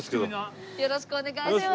よろしくお願いします。